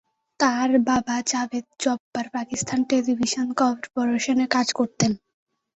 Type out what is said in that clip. তার বাবা জাভেদ জব্বার পাকিস্তান টেলিভিশন কর্পোরেশনে কাজ করতেন।